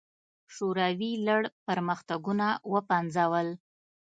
شوروي لړ پرمختګونه وپنځول.